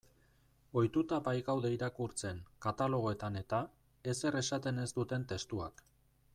Ohituta baikaude irakurtzen, katalogoetan-eta, ezer esaten ez duten testuak.